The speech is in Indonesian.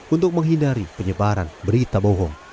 untuk menghindari penyebaran berita bohong